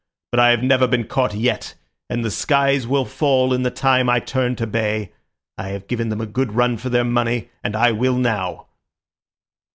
But I have never been caught yet, and the skies will fall in the time I turn to bay. I have given them a good run for their money, and I will now."